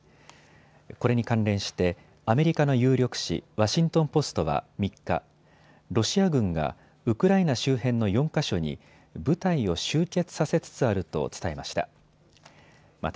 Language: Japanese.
これに関連してアメリカの有力紙、ワシントン・ポストは３日、ロシア軍がウクライナ周辺の４か所に部隊を集結させつつあると伝えました。